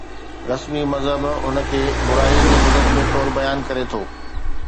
رسمي مذهب هن کي برائي جي مجسمي طور بيان ڪري ٿو